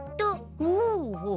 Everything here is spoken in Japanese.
ほうほう。